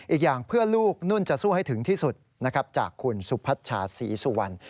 อีกอย่างเพื่อลูกนุ่นจะสู้ให้ถึงที่สุดนะครับจากคุณสุพัชชาศรีสุวรรณ